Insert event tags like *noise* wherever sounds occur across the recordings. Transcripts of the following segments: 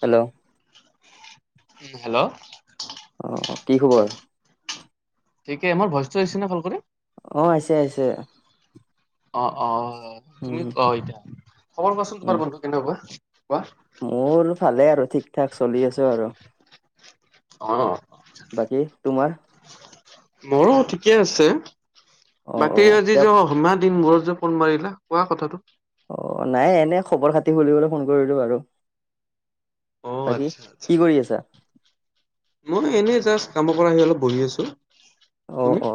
Hello. Um hello অ কি খবৰ ঠিকে মোৰ ভইচটো আহিছে নে ভাল কৰি অ আহিছে আহিছে অ', অ', তুমি অ এতিয়া খবৰ কোৱাচোন উম তোমাৰ বন্ধু কেনেকুৱা কোৱা কোৱা। মোৰ ভালে আৰু ঠিক ঠাক চলি আছো আৰু। অ'। বাকী তোমাৰ। মোৰো ঠিকে আছে অ অ বাকী আজি তেওঁক *unintelligible* ফোন মাৰিলা কোৱা কথাটো অ', নাই এনে খবৰ খাতি খুলিবলৈ ফোন কৰিলো আৰু। অ বাকী আচ্ছা আচছা কি কৰি আছা মই এনে জাচ কামৰ পৰা আহি অলপ বহি আছো অ তুমি অ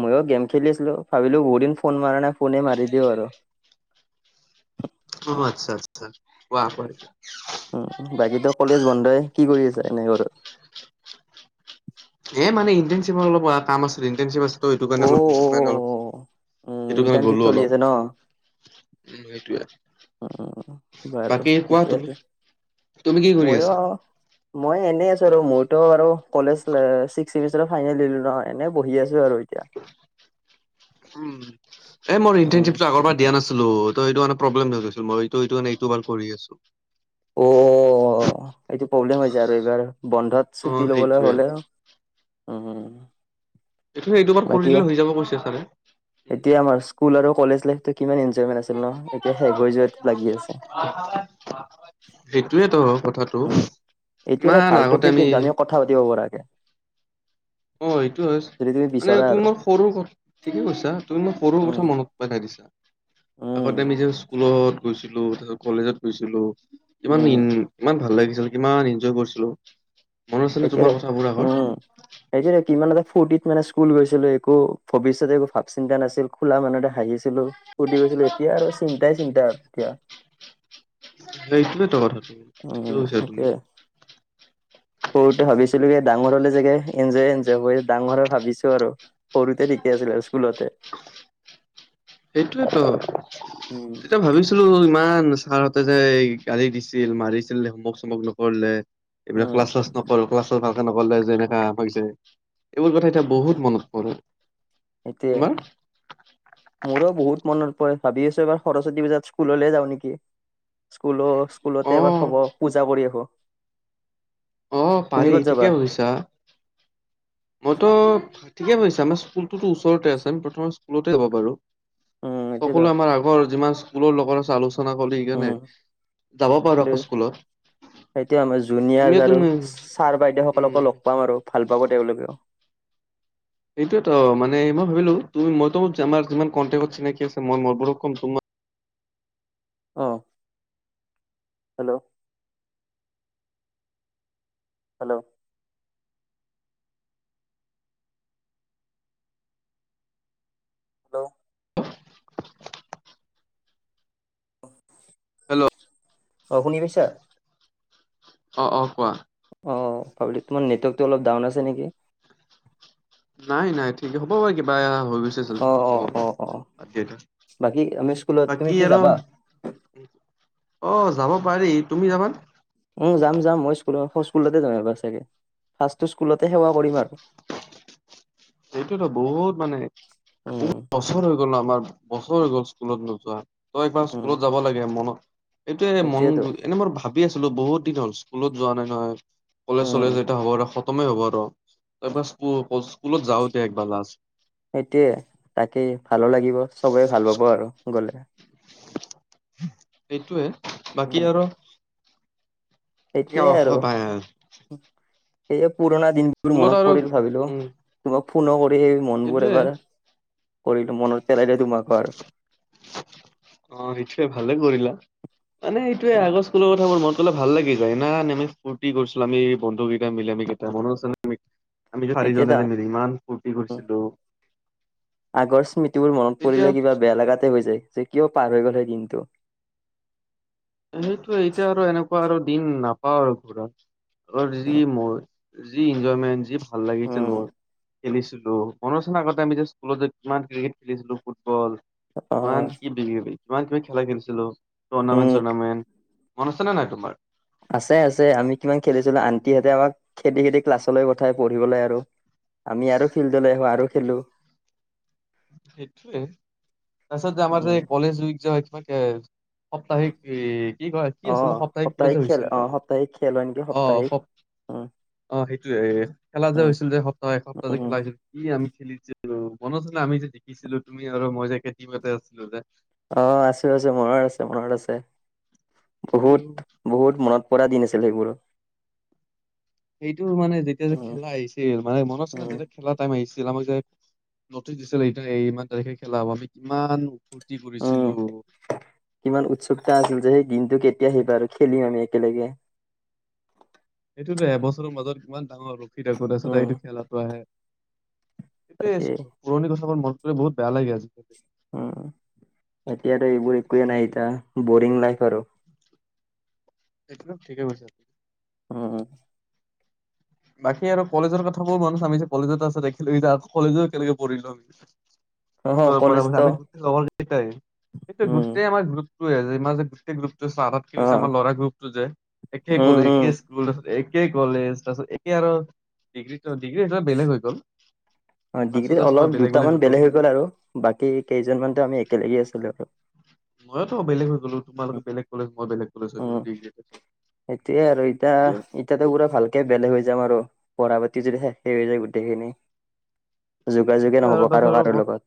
ময়ো গেম খেলিছিলো ভাবিলো বহুদিন ফোন মাৰা নাই ফোনে মাৰি দিওঁ আৰু অ আচ্ছা আচ্ছা *unintelligible* উ বাকী তো কলেজ বন্ধই কি কৰি আছা এনে ঘৰত? এ মানে ইণ্টেনশ্বিপ অলপ কাম আছিলে, ইণ্টৰ্নশ্বিপ আছে সটো কাৰণে অল উ ইণ্টাৰ্নশিপ চলি আছে ন উম সেইটোয়ে অ বাৰু বাকী কোৱা ঠিকে তুমি আছে তুমি কি কৰি ময়ো আছা আৰু মই এনে আছো আৰু মোৰতো আৰু কলেজ ছিক্সচেমষ্টাৰ ফাইনেল দিলো ন এনে বহি আছো আৰু এতিয়া। উম এ মই উম ইন্টাৰনশিপটো আগৰ পৰা দিয়া নাছিলো অ ত এইটো মান প্ৰবলেম হৈ গৈছিল মই এইটো এইটো মে এইটো বাৰ কৰি আছো। অ অ এইটো প্ৰব্লেম হৈ যায় আৰু এইবাৰ বন্ধত অ' ছুটি ল'বলৈ সেইটোৱে হ'লে উ এইটো এইটো বাৰ কৰি বাকি দিলে হৈ যাব কৈছে ছাৰে। এতিয়া আমাৰ স্কুল আৰু কলেজ লাইফ কিমান এনজয়মেণ্ট আছিল ন', এতিয়া শেষ হৈ যোৱাত লাগি আছে। সেইটোয়েতো হ কথাাতটো এইটো এটা ইমান ভাল আগতে টপিক আমি কিন্তু কথা পাতিব পৰাকে অ এইটো অ যদি তুমি মানে বিচৰা তুমি আৰু মোক সৰু কথা ঠিকে কৈছা তুমি মোৰ সৰু উম কথা মনত পেলাই দিছা উম আগতে আমিজেচ স্কুলত গৈছিলো তাছত কলেজত গৈছিলো ইমান উম ইমান ভাল লাগি কিমান এনজয় কৰিছিলো মনত আছেনে তোমাৰ সেইতিয় কথাবোৰ আগৰ উম সেইতি *unintelligible* কিমানতেটা ফূ্ৰ্তিত মানে স্কুল গৈছিলো একো ভৱিষ্যতে একো ভাৱ চিন্তা নাছিল খোলা মানুহতে হাঁহিছিলো ফ্তি ছিলো এতিয়া আৰু চিন্তাই চিন্তাই আৰু এতিয়া সেইটোৱেইটো কথা উম সেইতোৱে। সৰুতে ভাবিছিলোয়ে ডাঙৰসলে চাগে এনজয় এনজয় হৈ ডাঙৰ ভাবিছো আৰু সৰুতে ঠিকে আছিল আৰু স্কুলতে। সেইটোয়েতো উম এতিয়া ভাবিছিলো ইমান ছাৰহঁতে যে এই গাড়ী দিছিল মাৰিছিল হুমক চমক নকৰিলে এইবিলাক উম ক্লাছ চাল্লাচ নকৰো ক্লাছ ভাল এ নকলে যেনেকা ভাবিছে এইবোৰ কথা এতিয়া বহুত মনত পৰে সেইটোয়ে কিমান? মোৰো বহুত মনত পৰে ভাবি আছো এবাৰ সৰস্বতী পূজাত স্কুললৈ যাওঁ নেকি স্কুলো অ স্কুলতে এবাৰ খব পূজা কৰি আহো। অ' তুমি পাৰি ক'ত যাবা ঠিকেছা। মইতো ঠিকে কৈছে। আমাৰ স্কুলটোতো ওচৰতে আছে। আমি প্ৰথম স্কুলতে যাব পাৰো। উম এইটোৱেতো সকলোৱে আমাৰ আগৰ যিমান স্কুলৰ লগত আছে আলোচনা চ কৰি সকাৰণে উম যাব পাৰো আকৌ স্কুলত। সেইটো আমাৰ জুনিয়ৰ তুমিয়ে আৰু তুমি ছাৰ বাইদেউ উম সকলকো লগ পাম আৰু ভাল পাব তেওঁলোকেও। এইটোয়, মানে মই ভাবিলো। তুমি মইো আমাৰ যিমান কণ্টেক্টত চিনাকি আছে মই মোৰোৰক কম তোমাক অহ, হেল্ল'। হেল্ল' হল হেল্ল', অ শুনি পাইছা? অ', অ' কোৱা। অ, ভাবি তোমাৰ নেটৱৰ্কটো অলপ ডাউন আছে নেকি। নাই-নাই ঠিক হ'ব বাৰু কিবা হৈ গৈছে চোন, অ', হ'ব অ', বাদ অ', দিয়া অ' এতিয়া। বাকী আমি স্কুলত তুমি বাকী কি আৰু যাবা? *unintelligible* অ, যাব পাৰি তুমি যাবান? উ যাম-যাম মই স্কুল স্কুল যাম এবাৰ চাগে ফাৰ্ষটো স্কুলতে সেৱা কৰিম আৰু। *inaudible* সেইটোতো বহুত মানে উম বহুত প্ৰচৰ হৈ গ গ'ল আমাৰ বছৰ হৈ গল স্কুলত নোযোৱা। তই একবাৰ উম স্কুলত যাব লাগে মনত এইটোয়ে মন, সেইটোয়েতো এনে মই ভাবি আছিলো বহুত ক, হ'ল স্কুলত যোৱা নাই নহয়। কলেজ উম চলেজ এটা হ'ব প্ৰথমেই হব ৰ তাৰপ স্কুল - স্কুলত যাও এতিয়া একবাৰ লাষ্ট। সেইটোৱে তাকেই ভালো লাগিব। সবেই ভাল পাব আৰু গলে। সেইটোৱে বাকী আৰু কিয় সটয়ে আৰু। হয় ভাই এইয় পুৰণা দিনবোৰ স্কুলত মনত আৰু পৰিল ভাবিলো উম, তোমাক ফোনো কৰি কৰি মনবোৰ সেইটোয়ে এবাৰ কৰিলো মনত পেলাইলে তোমাকো আৰু। অ, সেইটোৱে ভালে কৰিলা। মানে সেইটো আগৰ স্কুলৰ কথাবোৰ মন লে ভাল লাগি যায়। ন আমি ফূ্তি কৰিছিলো আমি বন্ধুকেইটা মি আমি কেইটা মন আমি এতিয়া দা চাৰিজনে যে ম ইমান ফূুৰ্তি উম কৰিছিলো। আগৰ স্মৃতিবোৰ মনত তেতিয়া পৰিলে কিবা বেয়া লগাতে হৈ যায়। যে কিয পাৰ হৈ গ'লে কিন্তু। সেইটোে এতিয়া আৰু এনেকুৱা আৰু দিন নাপাও আৰু ঘূৰা আৰু যি উম মই যি ইনজয়মেণ্ট, যি ভাল লাগিছিল উম বৰ। খেলিছিলো মনোৰ ৰচনৰ আগতে আমি যে স্কুলত কিমান ক্ৰিকেট খেলিছিলো, ফুটবল অ তোমাৰ কি বিি তোমাৰ কিিবমান খেলা খেলছিলো উম ুৰ্নামেণ্ট-চৰ্নামেণ্ট। মনছে ননে নাই তোমাৰ? আছে-আছে আমি কিমান খেলিছিলো। আন্টিহতে আমাক খেদি-খেদি ক্লাছলৈ পঠাই পঢ়িবলৈ আৰু। আমি আৰু ফিল্ডলৈ আহো আৰু সেই- খেলো। সেইটোৱে তাৰপছত যে আমাৰ যে উম কলেজ উইক তোমাকে সাপ্তাহিক কি, ক কি অ আছিলে সপ্তাহিক কিবা যে খেল হৈছিল অ যে সপ্তাহিক খেল হয় নেকি অ সপ্তাহিক স উম অ' সেইটোয়ে খেলা যে উম হৈছিল যে। সপ্তাহ-এসপ্তাহ যে উম খেলা হৈছিল কি আমি খেলি মনত আছিলে আমি যে দেখিছিলো তুমি আৰু মই যে, কেটমতে আছিলো যে? অ' আছো, আছো মনত আছে, মনত আছে। এইটো বহুত-বহুত মনত পৰা দিন আছিল সেইবোৰো। সেইটো মানে যেতিয়া যে খেলা আহিছিল মানে মনত চনে উম যেতিয়া খেলা টাইম আহিছিল। য, নটিচ দিছিল ইমান তাৰিখে খেলা হ আমি কিমান ফূৰ্তি উম, কৰিছিলো কিমান উৎসুকতা আছিল যে সেই দিনটো কেতিয়া আহিবা আৰু খেলিম আমি একেলগে। সেইটোতো এবছৰৰ মাজত কিমান ডাঙৰ ৰখি থাকো ত আছত উম এইটো খেলাটো আহে। এ তাকে পুৰণি কথাবোৰ মনত কৰি বহুত বেয়া লাগে আজিকালি। উম এতিয়াতো এইবোৰ একোৱে নাই এতিয়া বৰিং লাইফ আৰু একদম ঠিকে কৈছে আ। অ - অ। বাকী আৰু কলেজৰ কথাবোৰ মানুহ চামি যে কলেজত আছে দেখিলো কলেজো এক কিলোমিটাৰ আমি। অহ ফুল পৰা ঘ কলেজতো য ঘূাৰ গত্ব *unintelligible* উম ইাৰ যে গোটেই গ্ৰুটো আ আটাত কি অ হৈছে আমাৰ ল'ৰা গ্ৰুপতটো যে একে উম কলেজ উম একে স্কুল। একেই কলেজ তাৰপিছত একেই আৰু ডিগ্ৰী - ডিগ্ৰী সেই বেলেগ হৈ গ'ল। অ, লাষ্টত ডিগ্ৰী যে চবে অলপ বেলেগ দুটামান বেলেগ হৈ গ'ল আৰু বাকী কেইজনমানতো আমি একেলগে আছিলো আৰু। ময়োতো বেলেগ হৈ গ'লো তোমালোকে বেলেগ কলেজ। মই বেলেগ কলেজ হৈ গ'লো উম, ডিগ্ৰী তাৰপিছত সেইটোয়ে আৰু এতিয়া সেইটোৱে - এতিয়াটো পুৰা ভালকে বেলেগ হৈ যাম আৰু। পঢ়া পাতি যদি সেখ হৈ যায় গোটেইখিনি যোগাযোগে সেইটোৱে আৰু নহব তাৰপিছত কাৰো - কাৰো আৰু লগত।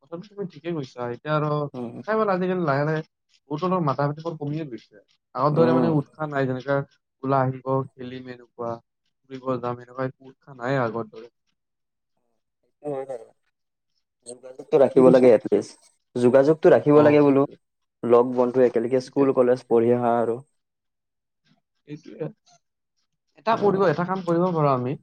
কথাটো তুমি ঠিকে কৈছা এতিয়া আৰু উম দেখাই প আজিকালি লাহে - লাহে বহুতৰণৰ মাথা ভতি বোৰ কমিয়ে গৈছে। আগৰ দৰে মানে উৎসাহ নাই যেনেকা ওলাই আহিব খেলিম এনেকুৱা ফুৰিব যাম এনেকুৱা উৎসা নাই আগৰ দৰে। হয় বাৰু। যোগাযোগটো কি ৰাখিব কৈছা লাগে এলিষ্ট যোগাযোগতটো ৰাখিব অ লাগে বোলো। সেইটোৱে লগ বন্ধুৱে একেলগে ঠিকে স্কুল কলেজ পঢ়ি আহা আৰু। হেইটোৱে এটা কৰিব উম এটা কাম কৰিব পাৰো আমি।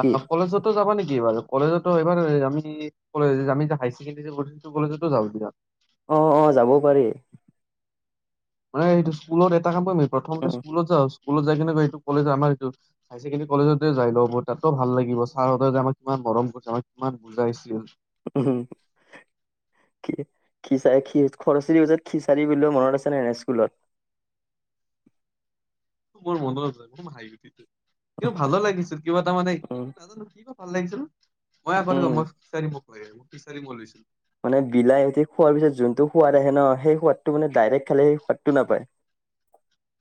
কি কলেজতো যাবা নেকি? কিবাৰ কলেজতো এইবাৰ কি হকেণ্ডী পো কলেজতো যা অ - অ যাবও পাৰি। মানে এইটোকুলত এটা কমকৰি প্ৰথমতে উম স্কুলত যা *unintelligible* স্কুলত যাই কেনে এইটো কলেজ আমাৰ এইটো হাই ছেকেণ্ডৰি কলেজতে যাই ল'ব তাতো ভাল লাগিব ছাৰহতে যে আমাৰ কিমান মৰম কৰিছে আৰু কিমান বুজা আহছিল। উম, কি খিচাৰ খ - খৰসীৰ ওজাত খিচাৰি বও মনত আছে নাই এনে স্কুলত। *inaudible* মোৰ মনত যায় ম হা গুটি কিন্তু ভালো লাগিছিল কিবা এটা মানে উম নাজানো। ভাল লাগিছিল ন মই উম কৰি মইচাৰি মোক ক মোকিচাৰি মই লৈছিলো। মানে বিলাহিদি খোৱাৰ পিছত যোনটো সোৱাদ আহে ন সেই সোৱাদটো মানে ডাইৰেক্ট খালে সেই সোৱাদটো নাপায়। *inaudible*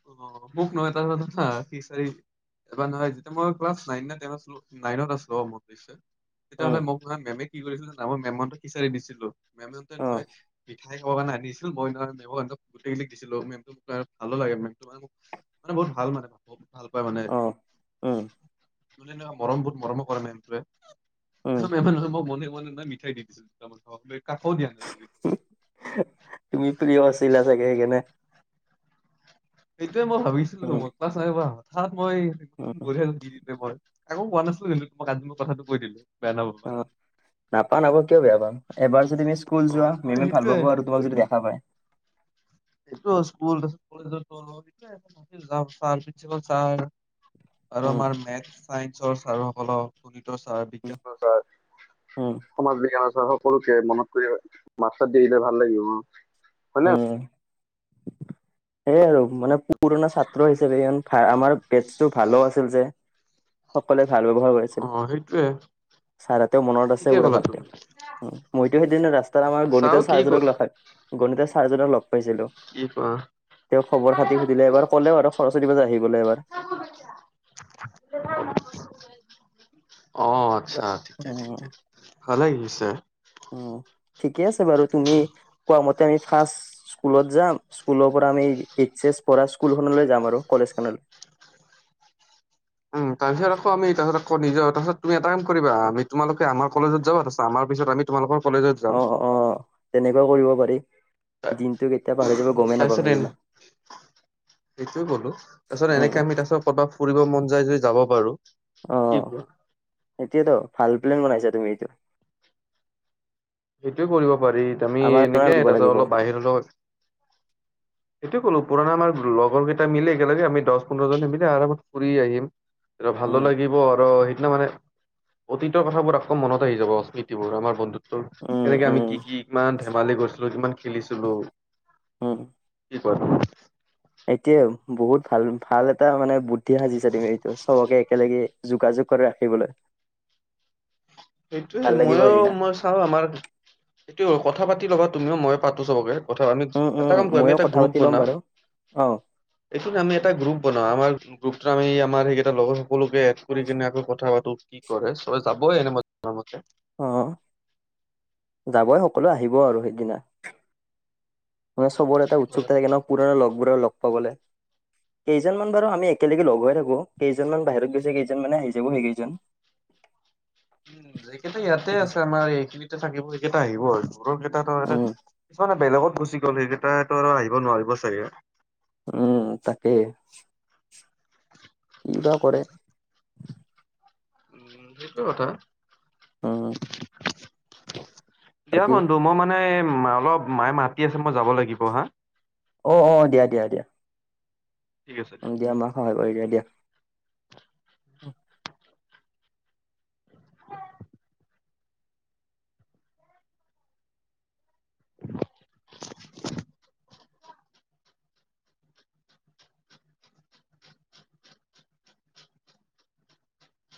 অ, ভুক ন এটা চাৰ এবাৰ নহয়তিয়া মই ক্লাছ ন - ন টনতো নাইনত আছিলো অ, মোৰ নিশ্চয়। উম তেতিয়াহ'লে মোক ম মেমে কি কৰিছিল জান মই মেম সিচাৰি দিছিলো। মেমতে অ নহয় পিঠাই কক আনিছে। মই গোটেই দিছিলো মেম ভালো লাগে ম ম মানে বহুত ভাল মানে ভাল পাই মানে। অ উম ত নহ মৰম বোত মৰমো কৰে মেনটোৱে উম *inaudible* মনে - মনে নাই মিঠাই দি দিছিলোমাৰ লৈ কাষও দিয়া নাছিল। তুমি প্ৰিয় আছিলা চাগে সেইকাৰনে স মই ভাবিছিলো মা হঠাৎ মই গ উম মই *unintelligible* আকৌ কোৱা নাছিলো কিন্তু তোমাক আজি মই কথাটো কৈয়দিলো বেয়া নাপাবা। নাপা আকৌ কিয় বেয়া পাম এবাৰ যদি তুমি স্কুল অ যোৱা হয় মিমি ভাল সেইটোৱে পাবা আৰু তোমাক যদি দেখা পায়। চ পি চ *unintelligible* আৰু উম আমাৰ মেথ চাইন্সৰ ছাৰ সকলক শুনি বিজ্ঞানৰ উম সমাজ বিজ্ঞানৰৰ হও। সৰুকে মনত কৰি মাত চাত দিলে ভাল লাগিব অ, হয় ন। সেইয় আৰু মানে পুৰণা ছাত্ৰ হিচাপে ই আমাৰ বেছটো ভালো আছিল যে। সকলোৱে ভাল ব্যৱহাৰ কৰিছিল অ সেইটোয়ে ছাৰাতেও মনত আছে ঠিকে বোৰা ক'লা ভালকে। তুমি মইতো সেইদিনা ৰাস্তাত আমাৰ গণিত চাও কি ক চাহজনক লগখাত গণিত চাৰজক লগ পাইছিলো কি কোৱা তেওক খবৰ খাতি সুধিলে এবাৰ ক'লেও আৰু সৰস্বতী প আহিব। গ'লে এবাৰ অ, আচ্ছা ঠিকে - উম ঠিকে ভালে লাগিছে। উম ঠিকে আছে বাৰু তুমি কোৱা মতে ত, আমি ফাৰ্ষ স্কুলত যাম স্কুলৰ পৰা আমি এইচ এছ পঢ়া স্কুলখনলৈ যাম আৰু কলেজ খনলৈ *inaudible* উম, তাৰপিছত আকৌ আমি তাৰিপিছত আকৌ নিজৰ তাৰপছত তুমি এটা কাম কৰিব আমি তোমালোকে আম কজত যাব তাৰপিত আমাৰ পিছত আমি তোমালোকৰ কলেজত যাম। তেনেকুৱও কৰিব পাৰি তাৰপিছত দিনটো কেতিয়া পাহৰি যাব গমেই নাপাম এ সদিনা সেইটোয়ে ব'লো তাৰ পিছত এনেকে আমি তাৰ পিছত ক'ৰবাত ফুৰিব মন যায় যদি যাব পাৰো। কি অহ, কোৱা? এতিয়াতো ভাল প্লেন বনাইছা তুমি এইটো সেইটো কৰিব পাৰি আমি আমাৰ এনেকে দিব তাৰিছত লাগিব অলপ বাহিৰ হলেও সেইটোৱে ক'লো পুৰনা আমাৰ লগৰ কেইটা মিলে একেলগে আমি দহ পোন্ধৰনে মিলে আৰামত ফুৰি আহিম। এ ভাল উম লাগিব আৰু সেই মানে অতীতৰ কথাবোৰ আকৌ মনত আহি যাব স্মৃতিবোৰ আমাৰ বন্ধুত্ব। উম তেনেকে আমি উম কি- কি কিমান ধেমালি গৈছিলো কিমান খেলিছিলো। উম, কি কোৱা? এতিয়া বহুত ভাল - ভাল এটা মানে বুদ্ধি সাজিছা তুমি এইটো চবকে একেলগে যোগাযোগ কৰি ৰাখিবলৈ। সেইটোয়ে ভাল লাগিব ময়ো সেইদিনা মই চাও আমাৰ এইটো কথা পাতি। ল'বা তুমিও মই পাতো চবকে কথা আমি উম এটা উম কাম কৰ আমি ময়ো এটা কথা গ্ৰুপ পাতি ল'ম বনাও। বাৰু অ দেখোন আমি এটা গ্ৰুপ বনাও আামাৰ। গ্ৰুপো আমি আমাৰ সেইকেইটা লগৰ সকলোকে এড কৰি কিনে আকৌ কথা পাতো কি কৰে চব যাবই এনে নমকে অ, যাবই সকলো আহিব আৰু সেইদিনা। মানে চবৰে এটা ঠিকে উৎসুক ক'লা থাকে তুমি। ন পুৰণা লগবোৰক লগ পাবলে। কেইজনমান বাৰু আমি একেলগে লগ হৈ থাকো কেইজনমান বাহিৰত গৈছে কেইজন মানে আহি যাব সেইকেইজন *inaudible* উম, য কেইটা ইয়াতে আছে আমাৰ এইখিনিতে থাকিব সেইকেইটা আহিব আৰু। সৰুৰ কেইটো এ উম, কিছুমানে বেলেগত গুচি গ'ল সেইকেইটটো আৰু আহিব নোৱাৰিব চাগে। উম, তাকে কি বা কৰে? উম, সেইটো কথা। উম, দিয়া বাকী বন্ধু মই মানে অলপ মায়ে মাতি আছে মই যাব লাগিব হা। অ- অ দিয়া- দিয়া - দিয়া। ঠিক আছে। উম, দিয়া মমাক সহায় কৰি দিয়া - দিয়া। *inaudible*